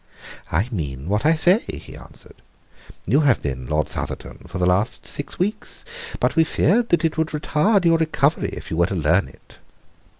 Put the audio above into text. "I mean what I say," he answered. "You have been Lord Southerton for the last six weeks, but we feared that it would retard your recovery if you were to learn it."